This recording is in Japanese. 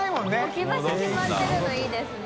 置き場所決まってるのいいですね。